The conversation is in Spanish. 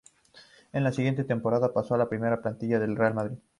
En la siguiente temporada pasó a la primera plantilla del Real Madrid.